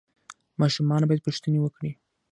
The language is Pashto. ماشومان باید پوښتنې وکړي.